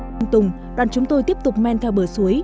trong tùng đoàn chúng tôi tiếp tục men theo bờ suối